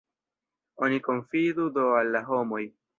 Oni konfidu do al la homoj!